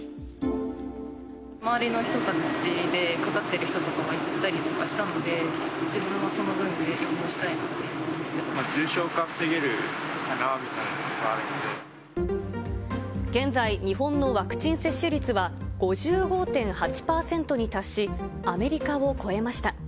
周りの人たちでかかっている人とかもいたりとかしたので、重症化を防げるかなみたいな現在、日本のワクチン接種率は５５．８％に達し、アメリカを超えました。